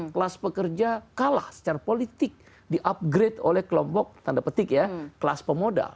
kelas pekerja kalah secara politik di upgrade oleh kelompok tanda petik ya kelas pemodal